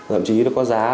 thậm chí nó có giá